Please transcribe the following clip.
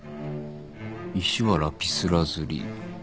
石はラピスラズリ。